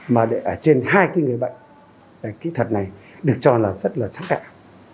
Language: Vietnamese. mà ở trên hai cái người bệnh kỹ thuật này được cho là rất là sẵn sàng